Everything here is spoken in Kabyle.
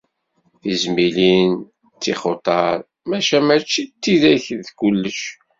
Tizmilin d tixutar, maca mačči d tidak i d kullec.